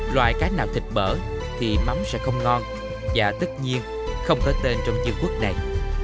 loại cá nào thịt bở thì mắm sẽ không ngon và tất nhiên không có tên trong dương quốc này